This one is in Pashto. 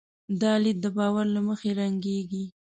دا لید د باور له مخې رنګېږي.